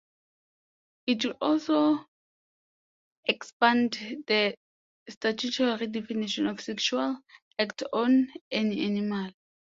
It would also expand the statutory definition of "sexual act on an animal".